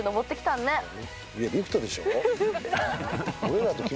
いや、リフトでしょ？